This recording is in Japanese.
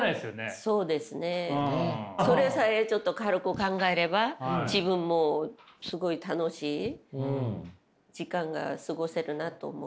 それさえちょっと軽く考えれば自分もすごい楽しい時間が過ごせるなと思います。